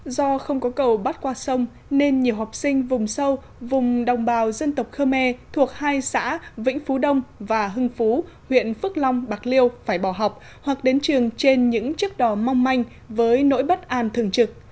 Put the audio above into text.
do không có cầu bắt qua sông nên nhiều học sinh vùng sâu vùng đồng bào dân tộc khơ me thuộc hai xã vĩnh phú đông và hưng phú huyện phước long bạc liêu phải bỏ học hoặc đến trường trên những chiếc đò mong manh với nỗi bất an thường trực